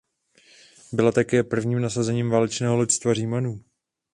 Byla také prvním nasazením válečného loďstva Římanů.